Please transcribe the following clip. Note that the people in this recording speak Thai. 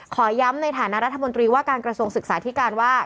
ขอย้ำในฐานะรัฐมนตรีว่าการกระทรวงศึกษาธิการว่า